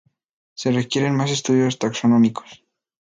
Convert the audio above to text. Se requieren más estudios taxonómicos.